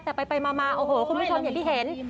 แต่ไปบุยพรอย่างที่เห็น